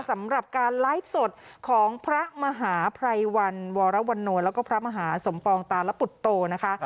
สำหรับการไลฟ์สดของพระมหาภัยวันวรวรโนแล้วก็พระมหาสมปองตาลปุตโตนะคะ